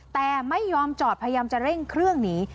แต่ไม่ยอมจอดพยายามจะเร่งเครื่องหนี